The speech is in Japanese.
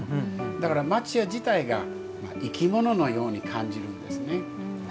だから町家自体が生き物のように感じるんですね。